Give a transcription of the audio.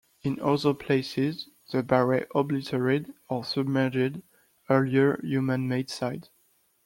In other places, the baray obliterated or submerged earlier human-made sites.